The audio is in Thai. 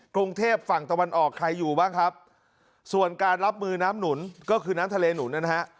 กรุงเทพฝั่งตะวันออกใครอยู่บ้างครับส่วนการรับมือน้ำหนุนก็คือน้ำทะเลหนุนนะฮะ